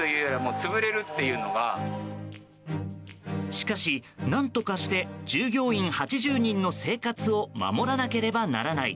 しかし、何とかして従業員８０人の生活を守らなければならない。